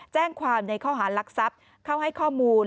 แจ้งความในข้อหารลักทรัพย์เข้าให้ข้อมูล